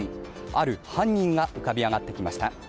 ある犯人が浮かび上がってきました。